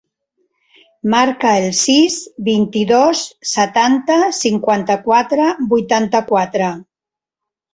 Marca el sis, vint-i-dos, setanta, cinquanta-quatre, vuitanta-quatre.